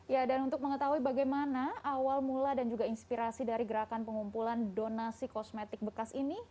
ya dan untuk mengetahui bagaimana awal mula dan juga inspirasi dari gerakan pengumpulan donasi kosmetik bekas ini